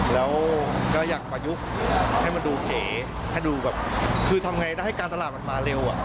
แล้วก็อยากประยุกต์ให้มันดูเก๋ให้ดูแบบคือทำไงได้ให้การตลาดมันมาเร็ว